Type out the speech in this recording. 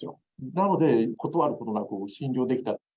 なので、断ることなく診療できた。